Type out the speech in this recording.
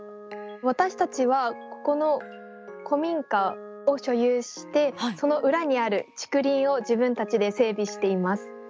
私たちはここの古民家を所有してその裏にある竹林を自分たちで整備しています。